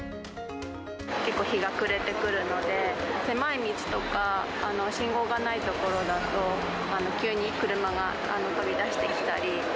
結構、日が暮れてくるので、狭い道とか、信号がない所だと、急に車が飛び出してきたり。